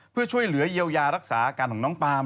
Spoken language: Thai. เพื่อช่วยเหลือเยียวยารักษาอาการของน้องปาม